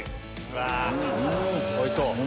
うわおいしそう！